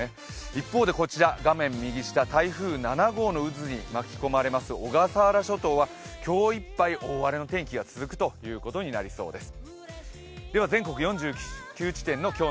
一方、こちら画面右下台風７号の渦に巻き込まれます、小笠原諸島は今日いっぱい大荒れの天気が続くことになりそうです。